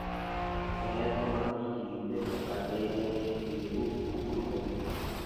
Meet komakichilile kobate ineteech keeku kimugul met.